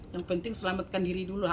yang penting selamatkan diri dulu